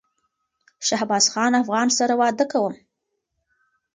شهبازخان افغان سره واده کوم